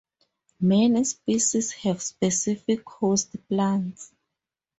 Many species have specific host plants.